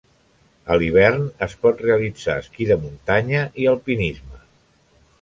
A l'hivern es pot realitzar esquí de muntanya i alpinisme.